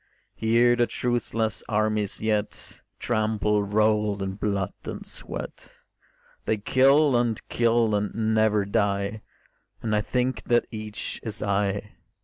Here the truceless armies yet Trample, rolled in blood and sweat; They kill and kill and never die; And I think that each is I.